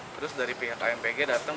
terus dari pihak kmpg datang